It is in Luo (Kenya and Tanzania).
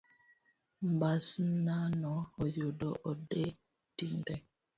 Mbasnano oyudo ode tinde.